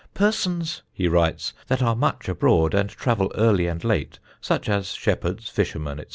"Persons," he writes, "that are much abroad, and travel early and late, such as shepherds, fishermen, &c.